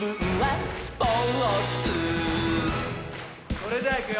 それじゃいくよ